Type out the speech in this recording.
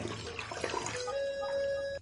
ټپونه یې لا رغېدلي نه وي